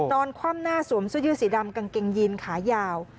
นอนคว่ำหน้าสวมซุยื้อสีดำกางเกงยินขายาว